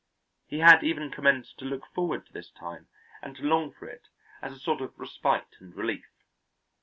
He had even commenced to look forward to this time and to long for it as a sort of respite and relief.